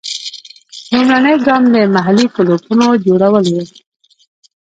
لومړنی ګام د محلي کلوپونو جوړول وو.